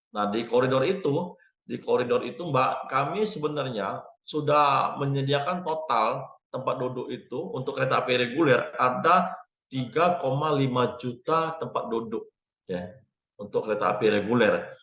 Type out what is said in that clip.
nah di koridor itu di koridor itu mbak kami sebenarnya sudah menyediakan total tempat duduk itu untuk kereta api reguler ada tiga lima juta tempat duduk untuk kereta api reguler